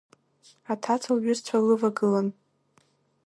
Аҭаца лҩызцәа лывагылан.